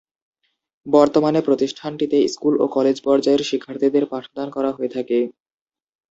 বর্তমানে প্রতিষ্ঠানটিতে স্কুল ও কলেজ পর্যায়ের শিক্ষার্থীদের পাঠদান করা হয়ে থাকে।